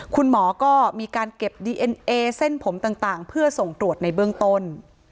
คุณหมอก็มีการเก็บดีเอ็นเอเส้นผมต่างเพื่อส่งตรวจในเบื้องต้น